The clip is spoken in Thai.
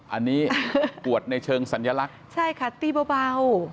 อันนี้กวดในเชิงสัญลักษณ์ใช่ค่ะตีเบา